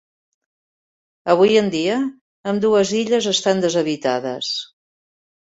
Avui en dia, ambdues illes estan deshabitades.